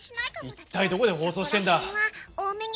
一体どこで放送してるんだ？